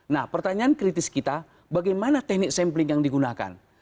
nah pertanyaan kritis kita bagaimana teknik sampling yang digunakan